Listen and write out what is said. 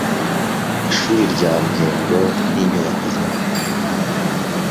ishuri rya Mpengo n’inyubako z’abagore